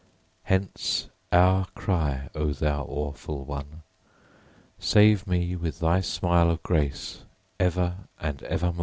Hence our cry, _O thou awful one, save me with thy smile of grace ever and evermore.